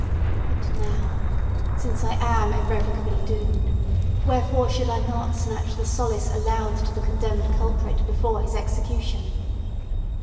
But now—since I am irrevocably doomed—wherefore should I not snatch the solace allowed to the condemned culprit before his execution?